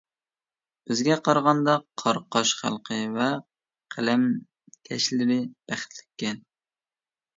بىزگە قارىغاندا قاراقاش خەلقى ۋە قەلەمكەشلىرى بەختلىككەن.